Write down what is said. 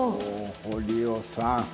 堀尾さん。